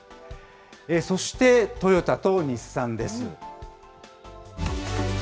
そして、トヨタと日産です。